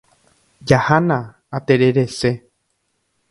Jahána. Atererese.